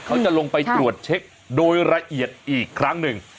เขาจะลงไปตรวจเช็คโดยละเอียดอีกครั้งหนึ่ง